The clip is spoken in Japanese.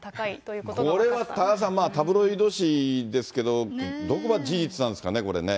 これは多賀さん、タブロイド紙ですけれども、どこまで事実なんですかね、これね。